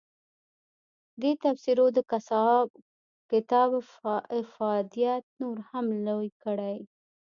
دې تبصرو د کتاب افادیت نور هم لوی کړی.